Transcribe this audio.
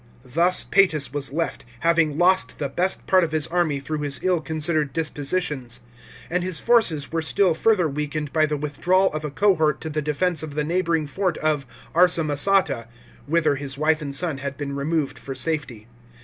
Thus Paetus was left, having lost the best part of his army through his ill considered dispositions; and his forces were still further weakened by the withdrawal of a cohort to the defence of the neighbouring fort of Arsamosata, whither his wife and son had been removed for safety.